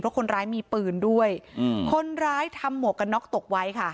เพราะคนร้ายมีปืนด้วยอืมคนร้ายทำหมวกกันน็อกตกไว้ค่ะ